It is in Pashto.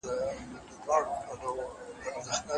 جهاني ستا چي یې په وینو کي شپېلۍ اودلې